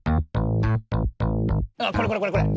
あっこれこれこれこれ！